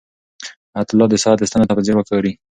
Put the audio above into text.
حیات الله د ساعت ستنو ته په ځیر ګوري.